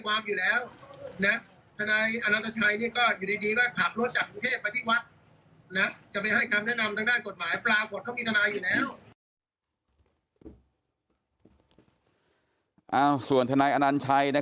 เพราะทนายอันนันชายชายเดชาบอกว่าจะเป็นการเอาคืนยังไง